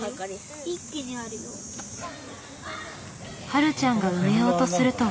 はるちゃんが埋めようとすると。